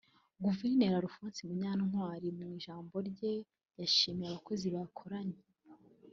Guverineri Alphonse Munyantwari mu ijambo rye yashimiye abakozi bakoranye